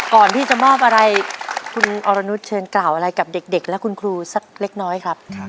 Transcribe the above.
ก่อนที่จะมอบอะไรคุณอรนุษยเชิญกล่าวอะไรกับเด็กและคุณครูสักเล็กน้อยครับ